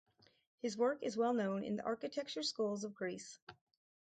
His work is well known in the architecture schools of Greece.